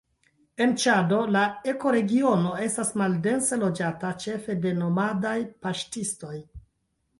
En Ĉado la ekoregiono estas maldense loĝata, ĉefe de nomadaj paŝtistoj.